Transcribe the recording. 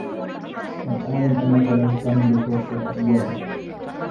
لَم أعلَم أنَّكَ لَمْ تَملُك رُخصةَ قِيادةٍ